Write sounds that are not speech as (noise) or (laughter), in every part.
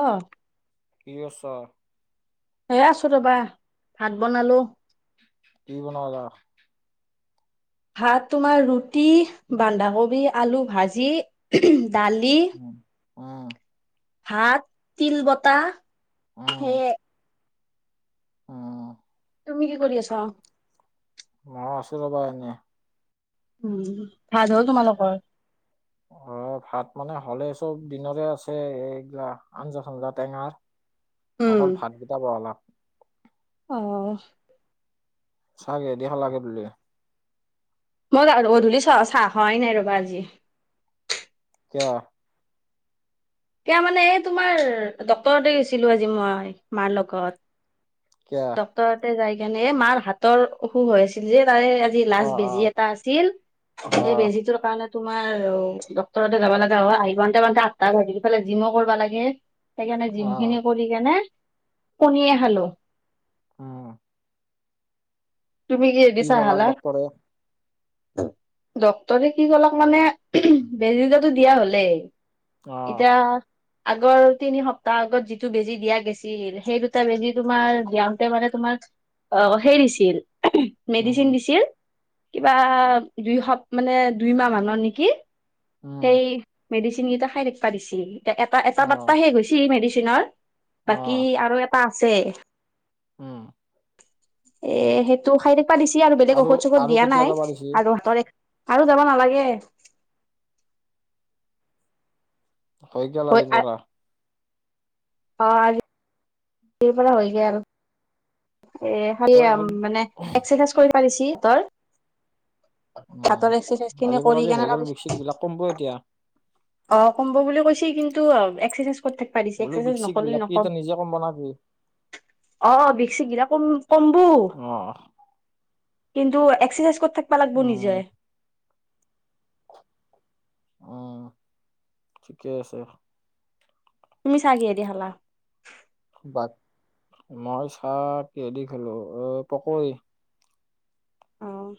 অহ, কি কৰিছা? সেই আছো ৰবা ভাত বনালো। কি বনালা? ভাত তোমাৰ ৰুটি, বন্ধাকবি, আলু ভাজি দালি উম, উম, - ভাত, তিল বতা। সেইয়ে। অ। তুমি কি কৰি আছা? মই আছো ৰবা এনে। উম, ভাল হ'ল তোমালোকৰ। অ, ভাত মানে হ'লে, চব দিনৰে আছে এইগিলা আঞ্জা- চঞ্জা টেঙাৰ। অকল ভাত কিটা বহালা। অহ, চাহ কিহেদি খালা বোলে? মই গধূলি চ চাহ খোৱাই নাই ৰ'বা আজি। কিয়? এতিয়া মানে এই তোমাৰ ডক্তৰততে গৈছিলোঁ আজি মই মাৰ লগত। কিয়া ডক্টৰততে যাই কিনে এ মাৰ হাতৰ অসুখ হৈ আছিল যে, তাৰে আজি অ', লাজ বেজি অ', এটা আছিল, সেই অ', বেজিটোৰ কাৰণে তোমাৰ ডক্টৰৰতাতে যাব লগা হয়, আহি পাওঁতে পাওঁতে আঠটা বাজিল ইফালে জিমো কৰিব লাগে। সেইকাৰণে অ', জিমখিনি কৰি কেনে কণীয়ে খালো। অহ, তুমি কিহেদি চাহ ক'লাক খালা? ডক্তৰে? ডক্তৰে কি কলক মানে বেজীটাটো দিয়া হলেই অ', এতিয়া আগৰ তিনি সপ্তাহ আগত যিটো বেজি দিয়া গেছিল সেই দুটা বেজি তোমাৰ দিয়াওঁতে মানে তোমাক অ' সেই দিছিল উম, মেডিচিন দিছিল কিবা দুই সপ মানে দুই মাহ মানৰ নেকি উম, সেই মেডিচিন কেইটা খাই থাকবা দিছে এ এটা এটা পাত্তা অ', শেষ গৈচি মেডিচিনৰ বাকী অ', আৰু এটা আছে। উম এ সেইটো খাই থাকিবা দিছি আৰু বেলেগ ঔষধ চঔষধ আৰু দিয়া কেতিয়া নাই যাবা দিছি? আৰু হাতৰ আৰু যাব নালাগে। হৈ গেল আজিৰ পৰা অ', আজিৰ পৰা হয় গেল। এ খালি তাৰপিছত মানে এক্সাৰচাইজ কৰি থকবো দিছে হাতৰ। উম, হাতৰ এক্সাৰচাইজ খিনি আজিৰ পৰা কৰি যে কেনে হৈ গেল তাৰপিছত বিষ চিষ বিলাক কমব এতিয়া। অ', কমব বুলি কৈছে কিন্তু এক্সাৰচাইজ কত থকবা দিছে বোলো এক্সচাৰচাইজ বিক চিক নকলে বিলাক কি নকম তই নিজে কম বনাবি অ' (unintelligible) কিন্তু এক্সাৰচাইজ অহ কৰি থাকিবা লাগিব উম নিজে। উম ঠিকে আছে। তুমি চাহ কিহে দি খালা বাট মই চাহ কিহেদি খালো এ পকৰি। অ'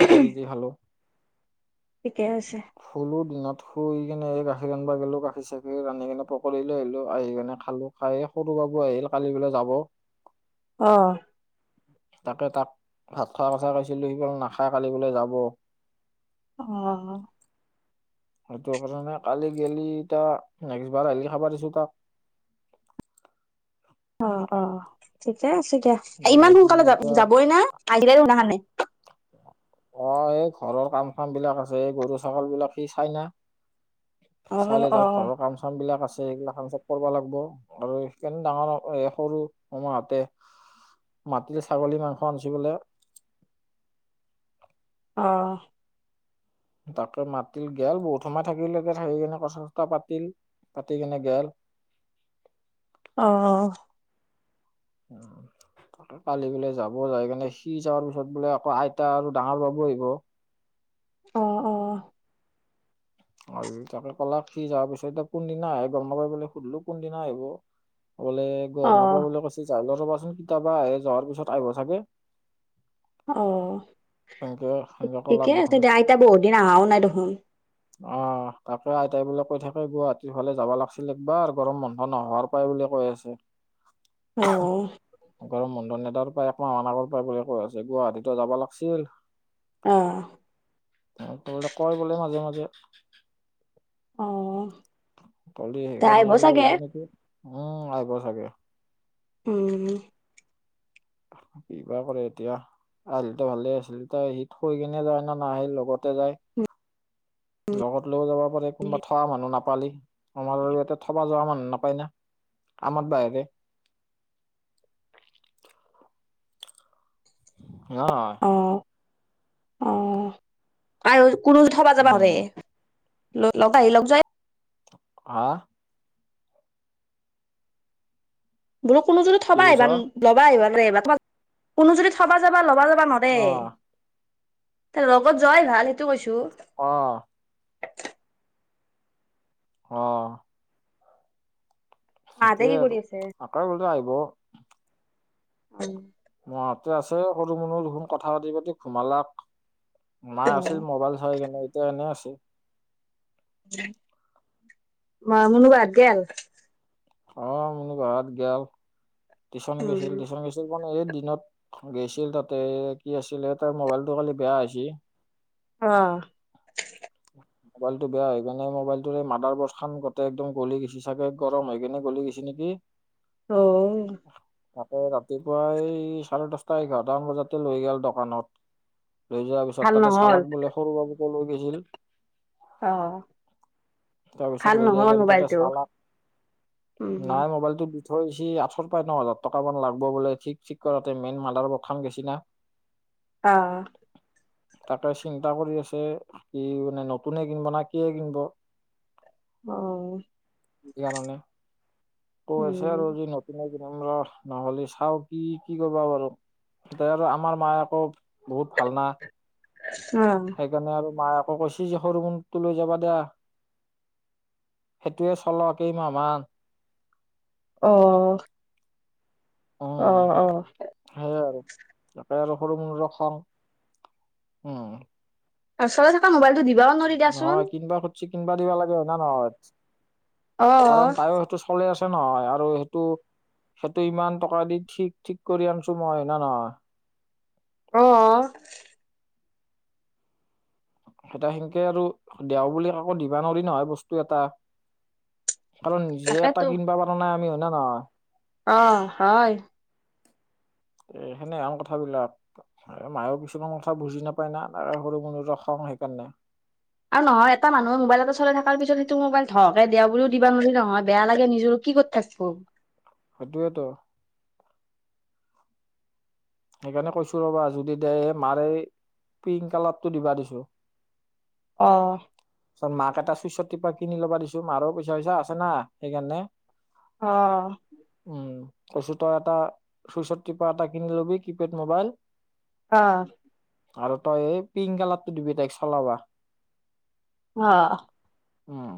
পকৰি দি খালো। ঠিকে আছে। শুলো দিনত শুই কিনে গাখীৰ আনবা গলো গাখীৰ চাখি আনি কিনে পকৰি লৈ আহিলো আহি কিনে খালো খাই সৰু পাব আহিল কালি বোলে যাব অ' তাকে তাক ভাত খোৱা কথা কৈছিলো সি বোলে নাখাই কালি বোলে যাব। অ', সেইটো কাৰণে কালি গেলি এটিয়া নেক্সট বাৰ আহিলি খাবা দিছো তাক। (inaudible) অ', অ', ঠিকে আছে দিয়া মানে ইমান সি সোনকালে এতিয়া যাবই না আহিলে সিদিনাখনে অ', এই ঘৰৰ কাম কাম বিলাক আছে এই গৰু ছাগল বিলাক সি চাই না অ কালি অ তাৰ ঘৰৰ কাম চাম বিলাক আছে। সেইগিলা চব কৰিব লাগিব আৰু সেইকাৰণ ডাঙৰ সৰু মামাহঁতে মাটিল ছাগলী মাংস আনিছিল বোলে। অ', তাকে মাতিল গল বহুত সময় থাকিল এতিয়া সেৰিখিনি কথা চথা পাতিল পাতি কিনে গল। অ' (inaudible) কালি বোলে যাব যাই কিনে সি যোৱাৰ পিছত বোলে আকৌ আইতা আৰু ডাঙৰ বাবু আহিব। অ', অ', আৰু তাকে ক'লা সি যোৱাৰ পিছত এতিয়া কোনদিনা আহে গম নাপাই পলৈ সুধিলো কোনদিনা আহিব বোলে অ অ গম নাপায় কৈছে যাই ল ৰ'বাচোন কেতিয়াবা আহে যোৱাৰ পিছত আহিব চাগে অ', সেনকে সেনকে ঠিকে ক'লাক আছে দেখোন দে আইতা বহুত দিন আহাও নাই দেখোন অ', তাকে আইতাই বোলে কৈ থাকে গুৱাহাটীৰ ফালে যাব লাগিছিল একবাৰ গৰম বন্ধ নহোৱাৰ পৰাই বোলে। কৈ আছে অ গৰম বন্ধন এটাৰ পৰা একমাহৰ আগৰ পৰাাই বুলি কৈ আছে গুৱাহাটীতো যাব লাগিছিল অহ ত বোলে কয় বোলে মাজে মাজে অ কালি দে আহিব সেইকাৰণে লৈ চাগে আহব নেকি উম আহিব চাগে উম কিবা কৰে এতিয়া আহিলেতো ভালে আছিল তাই আহি থৈ কিনে যায় না সিৰ লগতে যায়। লগত লৈও যাব পাৰে কোনোবা থকা মানুহ নাপ পালি আমাৰ আৰু ইয়াতে থবা যোৱা মানুহ নাপায় ন আমত বাহিৰে (inaudible) ন অ অ আৰু কোনো থবা যাবা নৰে উম। লগত আহি লগত যোৱাই হ বোলো কোনো যদি কি থবা কৈছ আহিবা লবা আহিবা ত কোনো যদি থবা যাবা ল'বা যাবা নৰে অ', তেনে হলি লগত যোৱাই ভাল সেইটো কৈছো অহ (inaudible) অহ মাহঁতে সেইটোয়ে কি কৰি আৰু আছে আকলাই গলে আহিব হয় মাহতে আছে সৰু মুনু দেখোন কথা পাতি পাতি ঘুমালাক মায় অ আছিল মোবাইল চাই কিনে এতিয়া এনেই আছিল মা মুনু বা হাত গেল অ মুনু বা হাত গল টিউশ্যন উম। গৈছিল টিউশ্যন গৈছিল মানে এই দিনত গৈছিল তাতে কি আছিলে তাৰ মোবাইলটো কালি বেয়া হৈছি অ মোবাইলটো বেয়া হৈ কিনে মোবাইলটোৰে মাদাৰ বৰ্ড খান গোটে একদম গলি গেইছি চাগে গৰম হৈ কিনে গলি গেইছি নেকি অ তাকে ৰাতিপুৱাই চাৰে দহটা এঘাৰটামান বজাতে লৈ গল দোকানত লৈ যোৱাৰ পিছত ভাল তাতে নহ'ল? চালাক বোলে সৰু বাবুকো লৈ গৈছিল অহ তাৰপিছত লৈ যায় কিনে তাতে চালাক উম। নাই মোবাইলটো থৈছি আঠৰ পৰা ন হাজাৰ টকামান লাগব বোলে ঠিক ঠিক কৰাতে মেইন মাডাৰ বৰ্ড খান গেইছি না (inaudible) অ তাকে চিন্তা কৰি আছে কি মানে নতুনে কিনিব না কিয় কিনিব অ', ইৰ কাৰণে কৈ আছে উম, আৰু যি নতুনে কিনব ৰ নহ'লে চাও কি কি কৰিবা পাৰু এতিয়া আৰু আমাৰ মায়ে আকৌ বহুত ভাল না অ', সেইকাৰণে আৰু মায়ে আকৌ কৈছি যি সৰু মুনুৰটো লৈ যাবা দিয়া সেইটোৱে চল কেইমাহ মান অ অ অ সেইয়ে আৰু তাকে আৰু সৰু মুনুৰো খং উম তাৰ চলে থাকা মোবাইলটো দি নহয় কিনিবা খুজছি কিনবা দিবা লাগে হয় না নহয়। কাৰণ অ', তাইও সেইটো চলে আছে। আছে নহয় আৰু সেইটো সেইটো ইমান টকা দি ঠিক-ঠিক কৰি আনছো মই হয় নে নহয়। অ'। সেইটা সেনকে আৰু দেও বুলি কাকো দিবা নোৱাৰি নহয় বস্তু এটা। কাৰণ নিজে তাকেতো। এটা কিনিবা পৰা নাই আমি হয় না নহয়? অ', হয়। এ সেনেহেন কথাবিলাক মায়েও কিছুমান কথা বুজি নাপায় না সৰু মানুহ সেইকাৰণে। আৰু নহয় এটা মানুহৰ মোবাইল এটা চলাই থকাৰ পিছত সেইটো মোবাইল ধহকে দিয় বুলিও দিব নোৱাৰি নহয় বেয়া লাগে নিজৰ। কিহত থাকবো। সেইটোৱেতো। সেইকাৰণে কৈছো ৰ'বা যদি দে মাৰ এই পিংক কালাৰটো দিবা দিছো। অ'। মাক এটা চুইচৰ টপা কিনি ল'বা দিছো মাৰো পইচা চৈচা আছো সেইকাৰণে। অ'। কৈছোঁ তই এটা চুইচৰ টিপা এটা কিনি ল'বি কিপেড মোবাইল। অ'। আৰু তই এই পিংক কালাৰটো দিবি তাইক চলাবা। অ'। উম।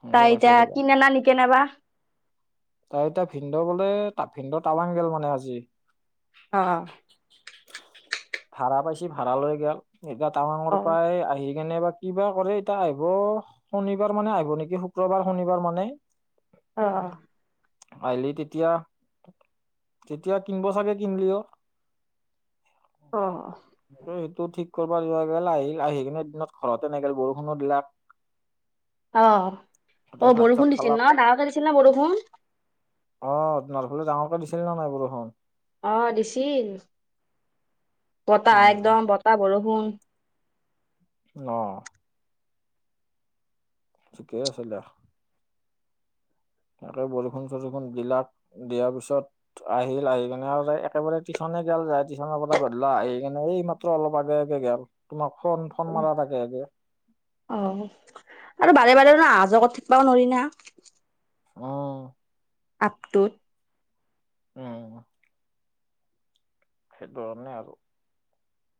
সেনেকে তাই কৈছো এতিয়া ৰবা কিনে না নিকনে বা? তাই এতিয়া ভিনদেউ বোলে ভিনদেউ টাৱাং গেল মানে আজি। অ'। ভাড়া পাইছি ভাড়া লৈ গেল। এতিয়া টাৱাঙৰ অ', পৰাই আহি কেনে বা কিবা কৰে এতিয়া আহিব শনিবাৰ মানে আহিব নেকি শুক্ৰবাৰ শনিবাৰ মানে। অ'। আহিলি তেতিয়া তেতিয়া কিনিব চাগে কিনলিও। (inaudible) অ'। সেইটো ঠিক কৰিব যোৱা গেল আহিল আহি কিনে দিনত ঘৰতে নেগেল বৰষুণো দিলাক। অ', তাতে অ', ভাত চাত বৰষুণ দিছিল খালাক না ডাঙৰ কে দিছিল নে বৰষুণ? তোমাৰ ফালে ডাঙৰকৈ দিছিল নাই বৰষুণ? অ', দিছিল, বতাহ উম একদম বতাহ বৰষুণ (inaudible) অ'। ঠিকে আছে দিয়া। তাকে বৰষুণ চৰষুণ দিলাক দিয়াৰ পিছত আহিল আহি কেনে আৰু একেবাৰে টিউচন গেল যায় টিউচনৰ পৰা গধূলা আহি কেনে এই মাত্ৰ অলপ আগে আগে গেল। তোমাক ফোন ফোন মাৰাৰ আগে আগে। অ', আৰু বাৰে বাৰে অহা যোৱা কৰি থাকবাও নোৱৰি না। অ'। আপটোত। উম। সেইটো কাৰণে আৰু।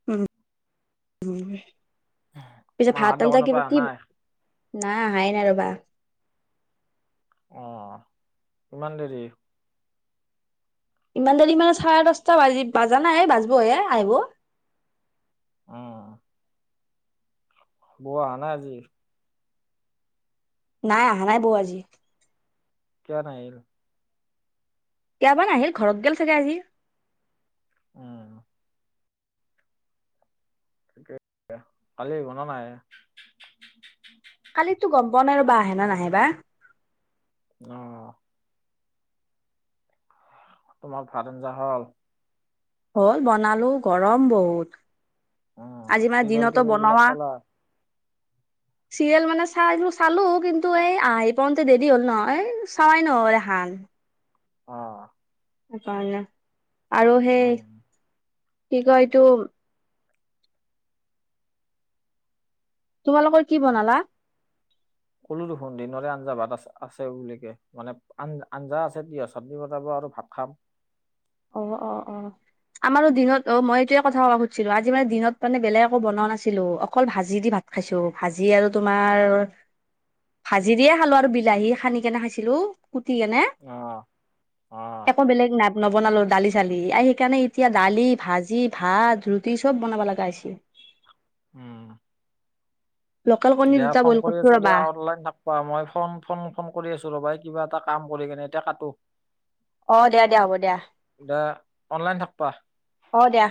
উম, পিছত ভাত মাহত আঞ্জা দোকানৰ কি পৰা অহা কি নাই নাই আহাই নাই ৰ'বা। অ', ইমান দেৰি? ইমান দেৰি মানে চাৰে দহটা বাজি বাজা নাই বাজিবহে আহিব। উম। বৌ অহা নাই আজি? নাই অহা নাই বৌ আজি কিয় নাহিল কতিাবান নাহিল ঘৰত গ'ল চাগে আজি অ', তাকে ভালি বনা নাই কালিততো গম পোৱা নাই ৰব আহে ন নাহে বা অ', তোমাৰ ভাত আঞ্জা হ'ল হ'ল বনালো গৰম বহুত উম আজি মানে চিৰিয়েল দিনতো টৰিয়েল বনোৱা গিলাক চালা চিৰিয়েল মানে চাই চালো কিন্তু এই আহি পাওঁতে দেৰি হ'ল নহয় চোৱাই ন দেখান আহ কাৰণে আৰু সেই উম কি কয় এইটো তোমালোকৰ কি অহ বনালা? ক'লো দেখোন দিনৰে আঞ্জা ভাত আছে বুলি কে মানে আঞ আঞ্জা আছে দ চব্নি বনাব আৰু ভাত খাম অ', অ', অ', আমাৰো দিনত অ মই এইটয়ে কথা কব খুজিছিলো আজি মানে দিনত মানে বেলেগ একো বনওঁ নাছিলো অকল ভাজি দি ভাত খাইছো ভাজি আৰু তোমাৰ ভাজিৰেয় খালো আৰু বিলাহী খানি কেনে খাইছিলো। ঠে নে অ অ একো বেলেগ নাপ ন বনালো দালি চালি এই সেইকাৰণে এতিয়া দালি ভাজি ভাত ৰুটি চব বনাব লগা হৈ হৈছে উম লোকেল কণী দিয়া দুটা ফোন বইল কৰি কৰিছো আছো দিয়া ৰবা অনলাইন থাকা মই ফোন ফোন ফোন কৰি আছো ৰ'বাই কিবা এটা কাম কৰি কেনে এতিয়া কাটো অ', দো দিয়া হ'ব দিয়া। দা অনলাইন থাকবা অ', দিয়া।